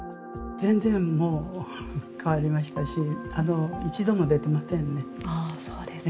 全然もう、変わりましたし、一度も出てませんね。